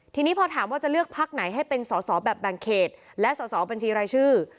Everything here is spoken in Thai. ทีนี้พอถามว่าจะเลือกภักดิ์ไหนให้เป็นส่อแบบแบงเกจและส่อบัญชีไรชื่อ